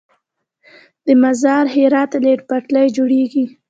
د مزار - هرات ریل پټلۍ جوړیږي؟